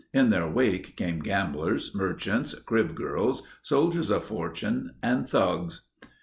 In their wake came gamblers, merchants, crib girls, soldiers of fortune, and thugs.